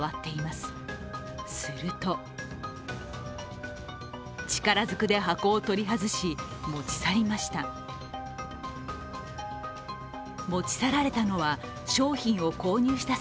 すると、力ずくで箱を取り外し持ち去りました。